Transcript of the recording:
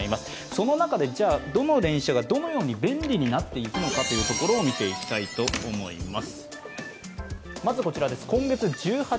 その中でどの電車がどのように便利になっていくのかというところを見ていきたいと思います。